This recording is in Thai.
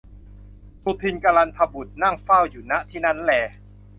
สุทินน์กลันทบุตรนั่งเฝ้าอยู่ ณ ที่นั้นแล